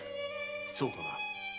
そうかな？